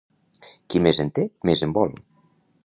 Qui més en té, més en vol.